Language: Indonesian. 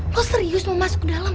lo serius mau masuk ke dalam